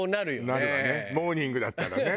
なるわねモーニングだったらね。